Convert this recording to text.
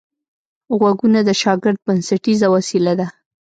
غوږونه د شاګرد بنسټیزه وسیله ده